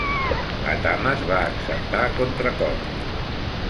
Athamas va acceptar a contracor.